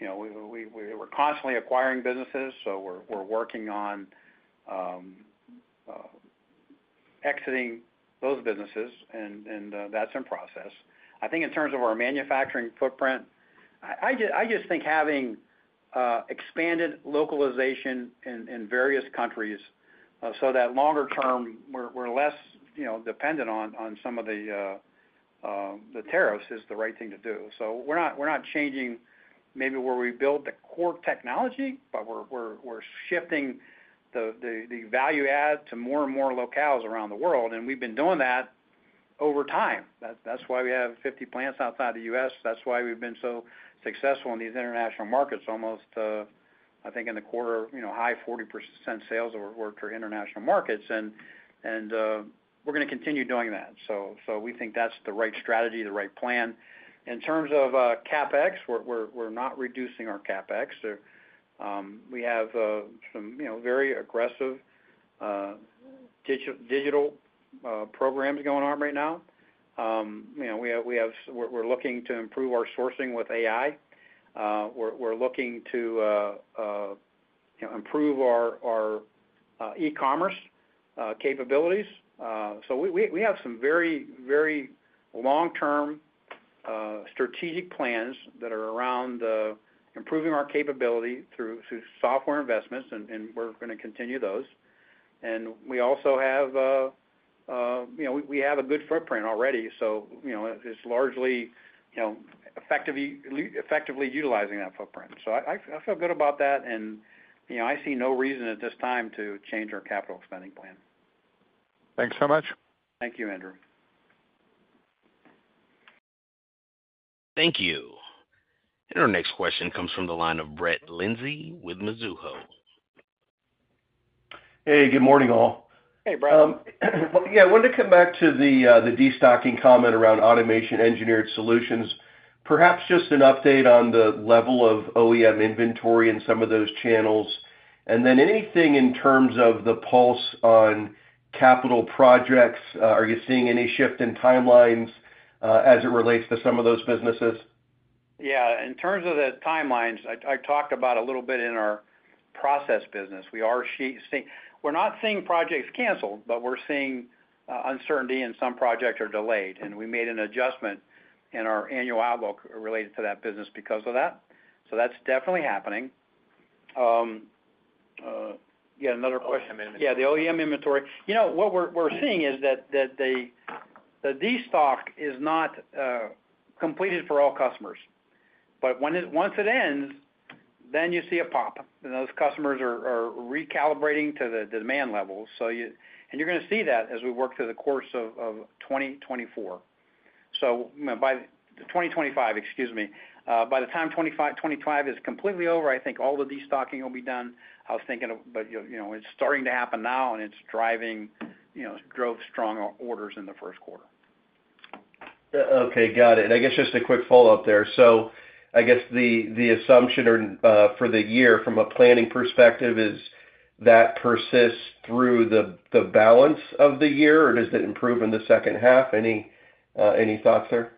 We were constantly acquiring businesses, so we're working on exiting those businesses, and that's in process. I think in terms of our manufacturing footprint, I just think having expanded localization in various countries so that longer term, we're less dependent on some of the tariffs is the right thing to do. We're not changing maybe where we build the core technology, but we're shifting the value add to more and more locales around the world. We have been doing that over time. That's why we have 50 plants outside the U.S. That's why we've been so successful in these international markets, almost, I think, in the quarter, high 40% sales over for international markets. We're going to continue doing that. We think that's the right strategy, the right plan. In terms of CapEx, we're not reducing our CapEx. We have some very aggressive digital programs going on right now. We're looking to improve our sourcing with AI. We're looking to improve our e-commerce capabilities. We have some very, very long-term strategic plans that are around improving our capability through software investments, and we're going to continue those. We also have a good footprint already, so it's largely effectively utilizing that footprint. I feel good about that, and I see no reason at this time to change our capital expending plan. Thanks so much. Thank you, Andrew. Thank you. Our next question comes from the line of Brett Linzey with Mizuho. Hey, good morning, all. Hey, Brett. Yeah. I wanted to come back to the destocking comment around automation engineered solutions, perhaps just an update on the level of OEM inventory in some of those channels. Anything in terms of the pulse on capital projects? Are you seeing any shift in timelines as it relates to some of those businesses? Yeah. In terms of the timelines, I talked about a little bit in our process business. We're not seeing projects canceled, but we're seeing uncertainty and some projects are delayed. We made an adjustment in our annual outlook related to that business because of that. That's definitely happening. Yeah. Another question. Yeah. The OEM inventory. What we're seeing is that the destock is not completed for all customers. Once it ends, then you see a pop. Those customers are recalibrating to the demand levels. You're going to see that as we work through the course of 2024. By the time 2025 is completely over, I think all the destocking will be done. I was thinking, but it's starting to happen now, and it's driving growth, strong orders in the first quarter. Okay. Got it. I guess just a quick follow-up there. I guess the assumption for the year from a planning perspective is that persists through the balance of the year, or does it improve in the second half? Any thoughts there?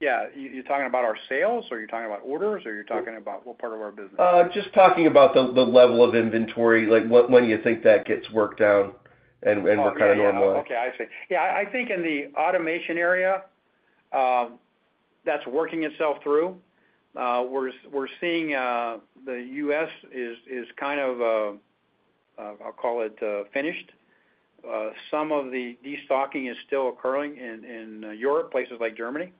Yeah. You're talking about our sales, or you're talking about orders, or you're talking about what part of our business? Just talking about the level of inventory, when you think that gets worked down and we're kind of normalized. Okay. I see. Yeah. I think in the automation area, that's working itself through. We're seeing the U.S. is kind of, I'll call it, finished. Some of the destocking is still occurring in Europe, places like Germany.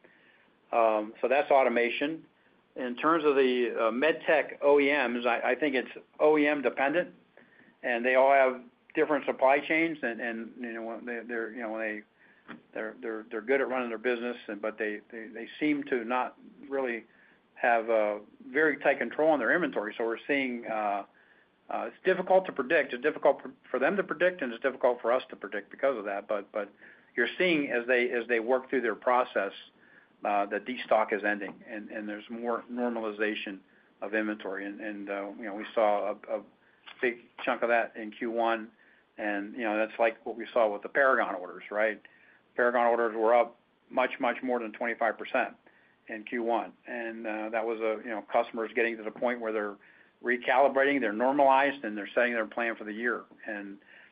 That's automation. In terms of the MedTech OEMs, I think it's OEM dependent, and they all have different supply chains. They're good at running their business, but they seem to not really have very tight control on their inventory. We're seeing it's difficult to predict. It's difficult for them to predict, and it's difficult for us to predict because of that. You're seeing as they work through their process that destock is ending, and there's more normalization of inventory. We saw a big chunk of that in Q1. That's like what we saw with the Paragon orders, right? Paragon orders were up much, much more than 25% in Q1. That was customers getting to the point where they're recalibrating, they're normalized, and they're setting their plan for the year.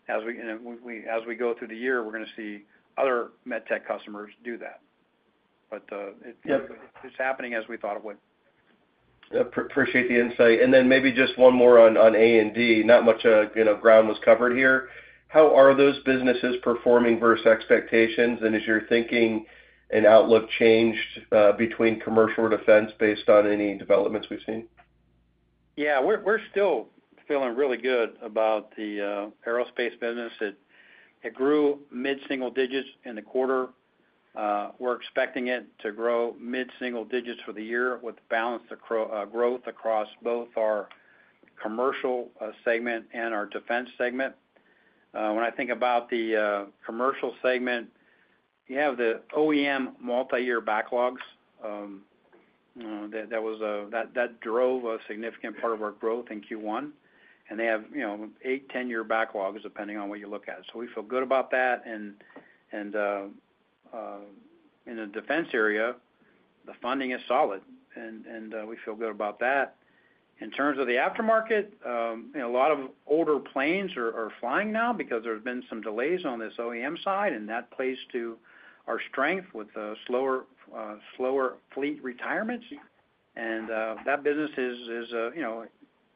As we go through the year, we're going to see other MedTech customers do that. It's happening as we thought it would. Appreciate the insight. Maybe just one more on A&D. Not much ground was covered here. How are those businesses performing versus expectations? Is your thinking and outlook changed between commercial or defense based on any developments we've seen? Yeah. We're still feeling really good about the aerospace business. It grew mid-single-digits in the quarter. We're expecting it to grow mid-single-digits for the year with balanced growth across both our commercial segment and our defense segment. When I think about the commercial segment, you have the OEM multi-year backlogs. That drove a significant part of our growth in Q1. They have 8-10 year backlogs depending on what you look at. We feel good about that. In the defense area, the funding is solid, and we feel good about that. In terms of the aftermarket, a lot of older planes are flying now because there have been some delays on this OEM side, and that plays to our strength with slower fleet retirements. That business is a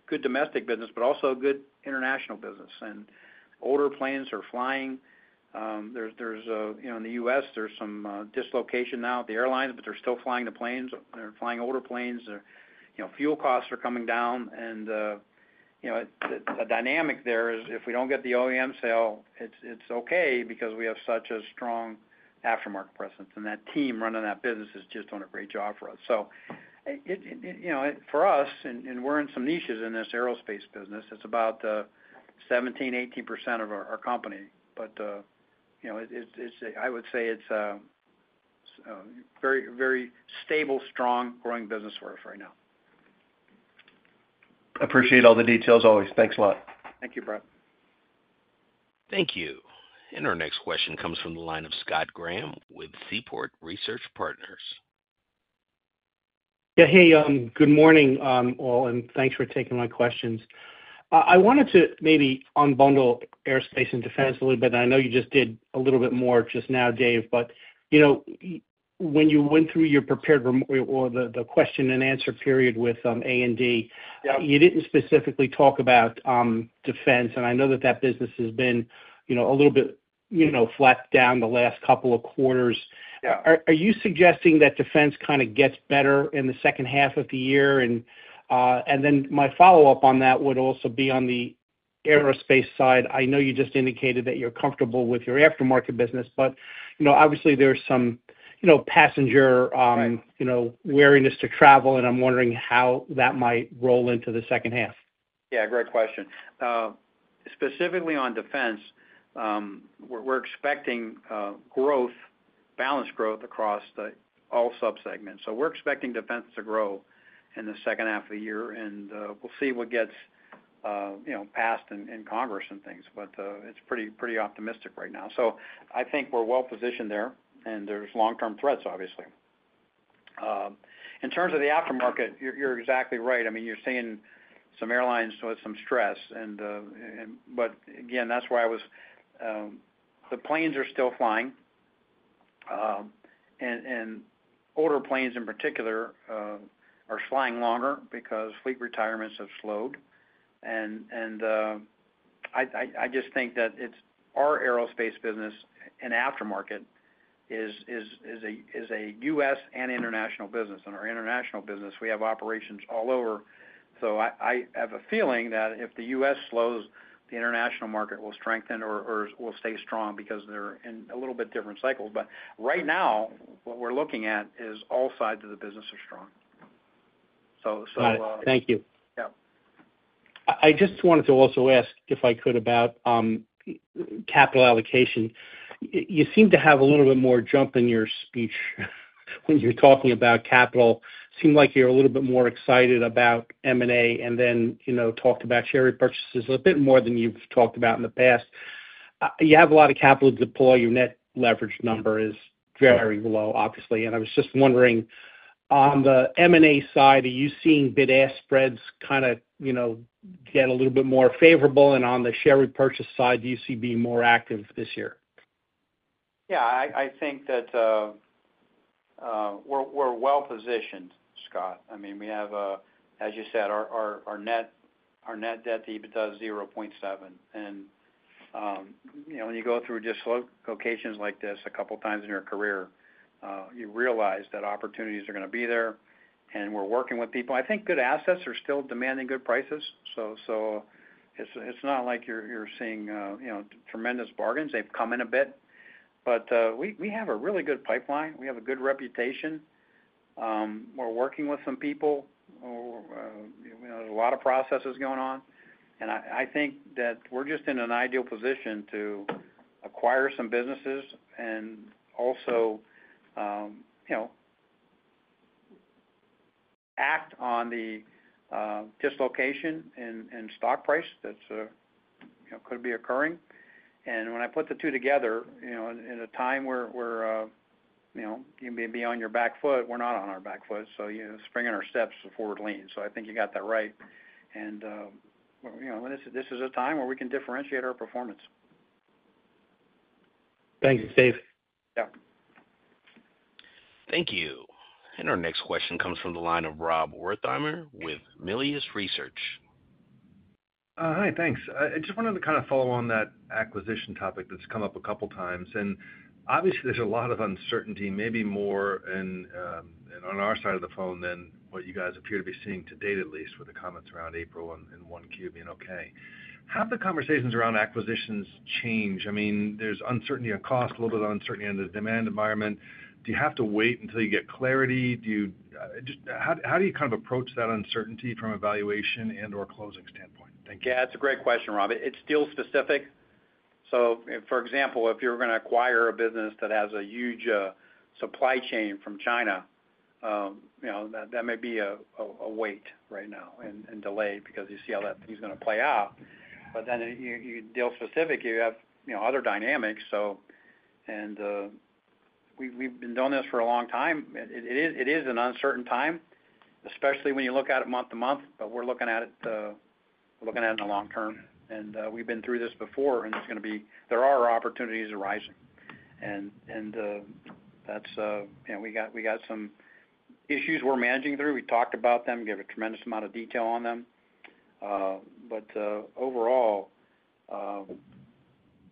good domestic business, but also a good international business. Older planes are flying. In the U.S., there is some dislocation now at the airlines, but they are still flying the planes. They are flying older planes. Fuel costs are coming down. The dynamic there is if we do not get the OEM sale, it is okay because we have such a strong aftermarket presence. That team running that business is just doing a great job for us. For us, and we're in some niches in this aerospace business, it's about 17%-18% of our company. I would say it's a very stable, strong, growing business for us right now. Appreciate all the details always. Thanks a lot. Thank you, Brett. Thank you. Our next question comes from the line of Scott Graham with Seaport Research Partners. Yeah. Hey, good morning, all, and thanks for taking my questions. I wanted to maybe unbundle Aerospace and Defense a little bit. I know you just did a little bit more just now, Dave, but when you went through your prepared or the question-and-answer period with A&D, you didn't specifically talk about defense. I know that that business has been a little bit flat down the last couple of quarters. Are you suggesting that defense kind of gets better in the second half of the year? My follow-up on that would also be on the aerospace side. I know you just indicated that you're comfortable with your aftermarket business, but obviously, there's some passenger wariness to travel, and I'm wondering how that might roll into the second half. Yeah. Great question. Specifically on defense, we're expecting balanced growth across all subsegments. We're expecting defense to grow in the second half of the year, and we'll see what gets passed in Congress and things. It is pretty optimistic right now. I think we're well-positioned there, and there's long-term threats, obviously. In terms of the aftermarket, you're exactly right. I mean, you're seeing some airlines with some stress. Again, that's why I was the planes are still flying. Older planes, in particular, are flying longer because fleet retirements have slowed. I just think that our aerospace business and aftermarket is a U.S. and international business. Our international business, we have operations all over. I have a feeling that if the U.S. slows, the international market will strengthen or will stay strong because they're in a little bit different cycles. Right now, what we're looking at is all sides of the business are strong. Thank you. I just wanted to also ask if I could about capital allocation. You seem to have a little bit more jump in your speech when you're talking about capital. Seemed like you're a little bit more excited about M&A and then talked about share repurchases a bit more than you've talked about in the past. You have a lot of capital to deploy. Your net leverage number is very low, obviously. I was just wondering, on the M&A side, are you seeing bid-ask spreads kind of get a little bit more favorable? On the share repurchase side, do you see being more active this year? Yeah. I think that we're well-positioned, Scott. I mean, we have, as you said, our net debt does $0.7. When you go through just locations like this a couple of times in your career, you realize that opportunities are going to be there. We're working with people. I think good assets are still demanding good prices. It's not like you're seeing tremendous bargains. They've come in a bit. We have a really good pipeline. We have a good reputation. We're working with some people. There's a lot of processes going on. I think that we're just in an ideal position to acquire some businesses and also act on the dislocation in stock price that could be occurring. When I put the two together, in a time where you may be on your back foot, we're not on our back foot. You're springing our steps forward lean. I think you got that right. This is a time where we can differentiate our performance. Thank you, Dave. Thank you. Our next question comes from the line of Rob Wertheimer with Melius Research. Hi, thanks. I just wanted to kind of follow on that acquisition topic that's come up a couple of times. Obviously, there's a lot of uncertainty, maybe more on our side of the phone than what you guys appear to be seeing today, at least, with the comments around April and 1Q being okay. How have the conversations around acquisitions changed? I mean, there's uncertainty on cost, a little bit of uncertainty in the demand environment. Do you have to wait until you get clarity? How do you kind of approach that uncertainty from an evaluation and/or closing standpoint? Thank you. Yeah. That's a great question, Rob. It's still specific. For example, if you're going to acquire a business that has a huge supply chain from China, that may be a wait right now and delay because you see how that thing's going to play out. You deal specifically, you have other dynamics. We've been doing this for a long time. It is an uncertain time, especially when you look at it month to month, but we're looking at it in the long term. We've been through this before, and there are opportunities arising. We got some issues we're managing through. We talked about them. We gave a tremendous amount of detail on them. Overall, I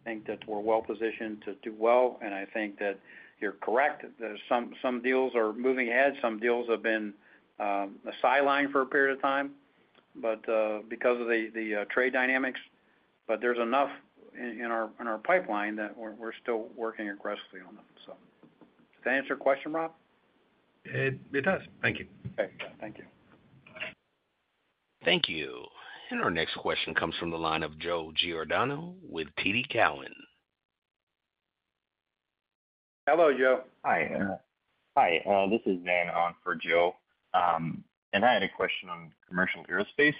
think that we're well-positioned to do well. I think that you're correct. Some deals are moving ahead. Some deals have been sidelined for a period of time because of the trade dynamics. There's enough in our pipeline that we're still working aggressively on them. Does that answer your question, Rob? It does. Thank you. Thank you. Our next question comes from the line of Joe Giordano with TD Cowen. Hello, Joe. Hi. This is Dan Ong for Joe. I had a question on commercial aerospace.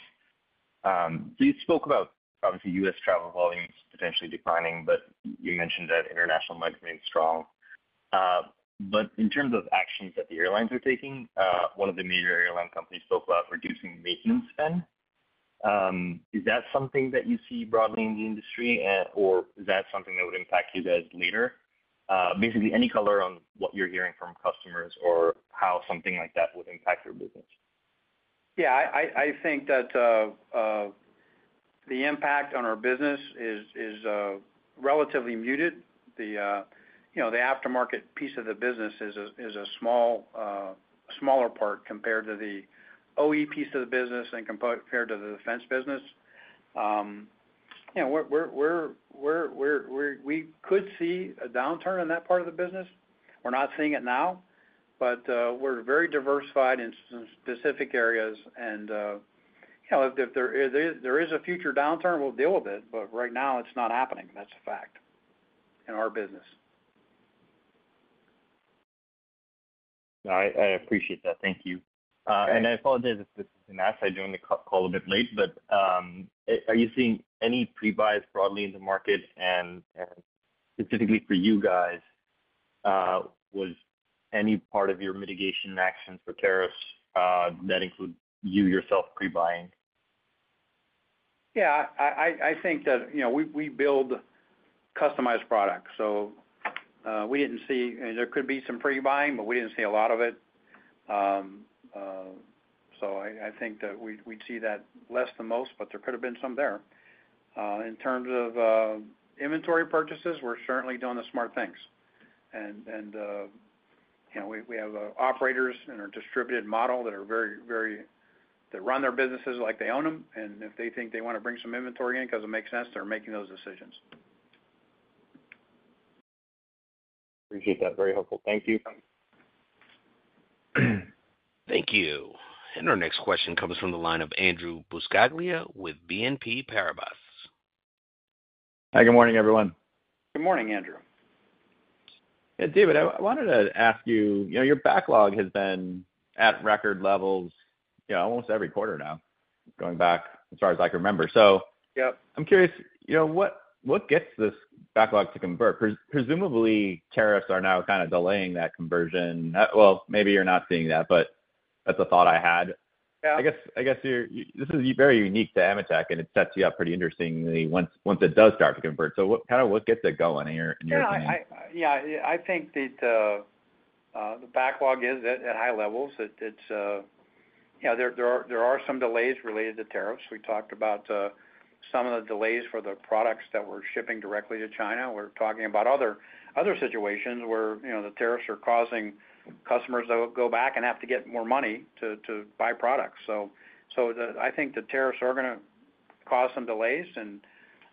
You spoke about, obviously, U.S. travel volumes potentially declining, but you mentioned that international might remain strong. In terms of actions that the airlines are taking, one of the major airline companies spoke about reducing maintenance spend. Is that something that you see broadly in the industry, or is that something that would impact you guys later? Basically, any color on what you're hearing from customers or how something like that would impact your business? Yeah. I think that the impact on our business is relatively muted. The aftermarket piece of the business is a smaller part compared to the OE piece of the business and compared to the defense business. We could see a downturn in that part of the business. We're not seeing it now, but we're very diversified in specific areas. If there is a future downturn, we'll deal with it. Right now, it's not happening. That's a fact in our business. I appreciate that. Thank you. I apologize if I'm doing the call a bit late, but are you seeing any pre-buys broadly in the market? Specifically for you guys, was any part of your mitigation actions for tariffs that include you yourself pre-buying? Yeah. I think that we build customized products. So we didn't see there could be some pre-buying, but we didn't see a lot of it. I think that we'd see that less than most, but there could have been some there. In terms of inventory purchases, we're certainly doing the smart things. We have operators in our distributed model that run their businesses like they own them. If they think they want to bring some inventory in because it makes sense, they're making those decisions. Appreciate that. Very helpful. Thank you. Thank you. Our next question comes from the line of Andrew Buscaglia with BNP Paribas. Hi. Good morning, everyone. Good morning, Andrew. David, I wanted to ask you, your backlog has been at record levels almost every quarter now, going back as far as I can remember. I am curious, what gets this backlog to convert? Presumably, tariffs are now kind of delaying that conversion. Maybe you are not seeing that, but that is a thought I had. I guess this is very unique to AMETEK, and it sets you up pretty interestingly once it does start to convert. What gets it going in your opinion? Yeah. I think that the backlog is at high levels. There are some delays related to tariffs. We talked about some of the delays for the products that we are shipping directly to China. We are talking about other situations where the tariffs are causing customers to go back and have to get more money to buy products. I think the tariffs are going to cause some delays.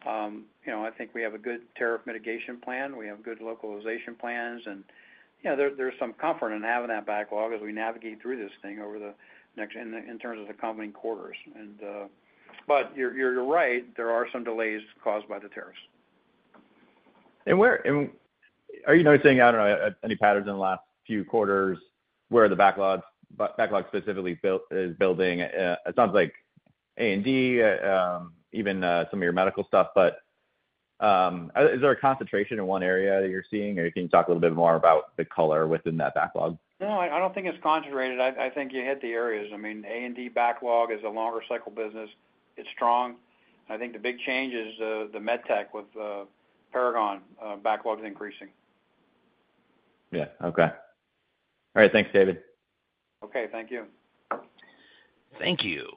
I think we have a good tariff mitigation plan. We have good localization plans. There's some comfort in having that backlog as we navigate through this thing over the next, in terms of the coming quarters. You're right, there are some delays caused by the tariffs. Are you noticing, I don't know, any patterns in the last few quarters where the backlog specifically is building? It sounds like A&D, even some of your medical stuff. Is there a concentration in one area that you're seeing? Can you talk a little bit more about the color within that backlog? No, I don't think it's concentrated. I think you hit the areas. I mean, A&D backlog is a longer-cycle business. It's strong. I think the big change is the MedTech with Paragon backlogs increasing. Yeah. Okay. All right. Thanks, David. Okay. Thank you. Thank you.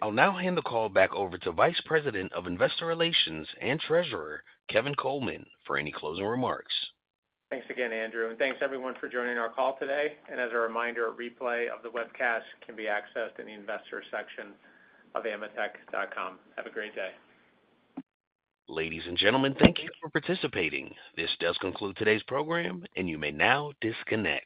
I'll now hand the call back over to Vice President of Investor Relations and Treasurer, Kevin Coleman, for any closing remarks. Thanks again, Andrew. Thanks, everyone, for joining our call today. As a reminder, a replay of the webcast can be accessed in the investor section of ametek.com. Have a great day. Ladies and gentlemen, thank you for participating. This does conclude today's program, and you may now disconnect.